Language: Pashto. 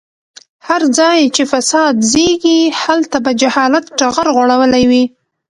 هر ځای چې فساد زيږي هلته به جهالت ټغر غوړولی وي.